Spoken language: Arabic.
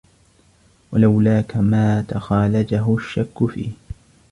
وَلَوْلَاك مَا تَخَالَجَهُ الشَّكُّ فِيهِ